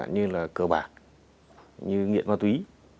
như cờ bạc nghiện ma túy